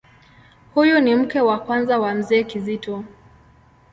Huyu ni mke wa kwanza wa Mzee Kizito.